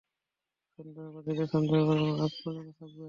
সন্দেহবাদীদের সন্দেহ মরার আগ পর্যন্ত থাকবে!